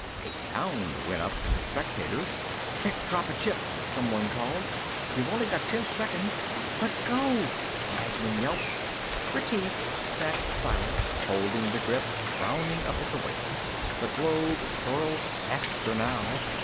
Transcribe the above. A sound went up from the spectators. "Quick, drop a chip," someone called. "You've only got ten seconds...." "Let go!" Magnan yelped. Retief sat silent, holding the grip, frowning up at the weight. The globe twirled faster now.